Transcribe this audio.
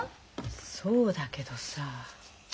そうだけどさ。